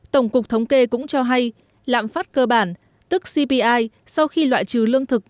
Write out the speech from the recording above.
tổng cục thống kê cũng cho hay lạm phát cơ bản tức cpi sau khi loại trừ lương thực